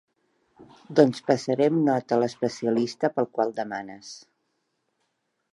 Doncs passarem nota a l'especialista pel qual demanes.